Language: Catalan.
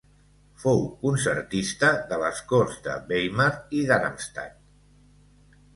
Fou concertista de les corts de Weimar i Darmstadt.